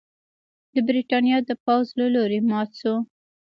د برېټانیا د پوځ له لوري مات شو.